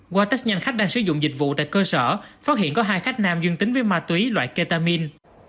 qua test nhanh khách đang sử dụng dịch vụ tại cơ sở phát hiện có hai khách nam dương tính với ma túy loại ketamin